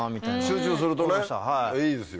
集中するとねいいですよ。